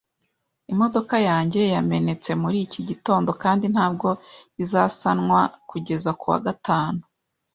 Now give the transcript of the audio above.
Imodoka yanjye yamenetse muri iki gitondo kandi ntabwo izasanwa kugeza kuwa gatanu